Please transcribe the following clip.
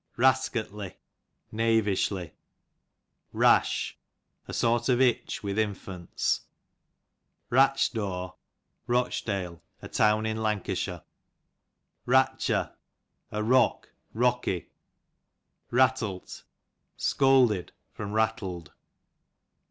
Rascotly, knavishly. Rash, a sort of itch with infants. Ratchdaw, Rochdale, a town in Ldinttuihit*^ Ratcher a mck, rocky. UatUt, scolded Jrom rattled.